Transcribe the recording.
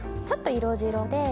ちょっと色白で。